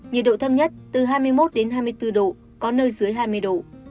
nhiệt độ thâm nhất từ hai mươi một hai mươi bốn độ có nơi dưới hai mươi độ